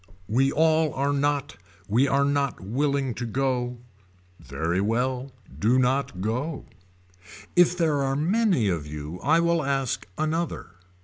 We all are not we are not willing to go. Very well do not go. If there are many of you I will ask another.